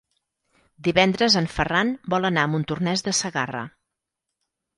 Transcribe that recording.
Divendres en Ferran vol anar a Montornès de Segarra.